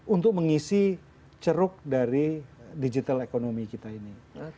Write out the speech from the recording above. untuk mengisi ceruk dari digital economy kita ini